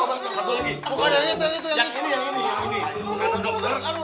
bukan yang itu